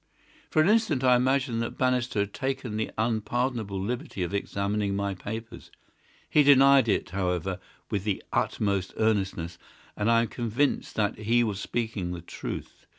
"For an instant I imagined that Bannister had taken the unpardonable liberty of examining my papers. He denied it, however, with the utmost earnestness, and I am convinced that he was speaking the truth.